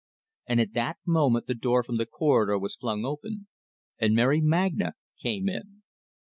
And at that moment the door from the corridor was flung open, and Mary Magna came in.